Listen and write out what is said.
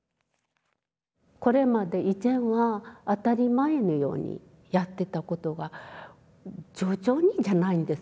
これまで以前は当たり前のようにやってたことが徐々にじゃないんです